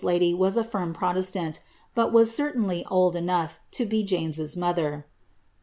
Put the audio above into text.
y was a firm proleslonl, but was certainly old enoueh 1' James's motlier.